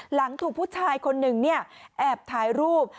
หลังถูกผู้ชายคนหนึ่งแอบถ่ายรูป